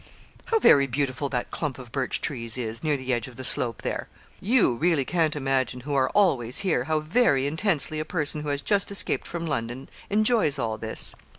'How very beautiful that clump of birch trees is, near the edge of the slope there; you really can't imagine, who are always here, how very intensely a person who has just escaped from London enjoys all this.'